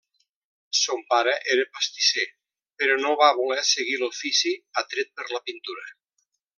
Son pare era pastisser però no va voler seguir l'ofici atret per la pintura.